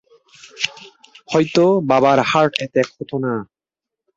হয়তো, বাবার হার্টঅ্যাটাক হতো না।